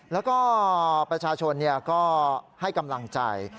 แล้วก็ประชาชนก็ให้กำลังใจ